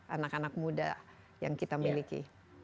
anak anak muda yang kita miliki